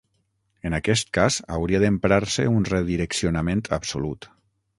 En aquest cas, hauria d'emprar-se un redireccionament absolut.